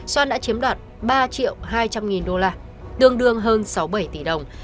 soan đã chiếm đoạt ba triệu hai trăm linh đô la đương đương hơn sáu bảy tỷ đồng